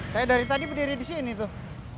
saya dari tadi berdiri di sini tuh